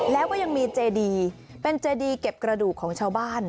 แล้วก็ยังมีเจดีเป็นเจดีเก็บกระดูกของชาวบ้าน